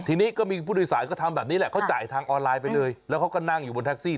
ทีนี้ก็มีผู้โดยสารก็ทำแบบนี้แหละเขาจ่ายทางออนไลน์ไปเลยแล้วเขาก็นั่งอยู่บนแท็กซี่